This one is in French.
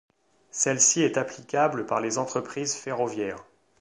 Celle-ci est applicable par les entreprises ferroviaires.